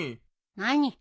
何？